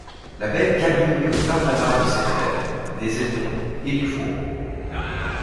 La bête cabriolait au tintamarre de ses fers, des éperons et du fourreau.